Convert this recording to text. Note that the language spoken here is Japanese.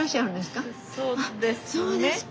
そうですか。